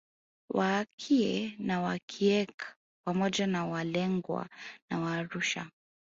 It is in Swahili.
Waakie na Waakiek pamoja na Waalegwa na Waarusha